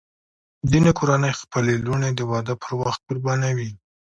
ځینې کورنۍ خپلې لوڼې د واده پر وخت قربانوي.